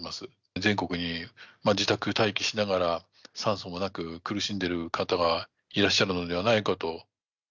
全国に自宅待機しながら、酸素もなく苦しんでる方がいらっしゃるのではないかと。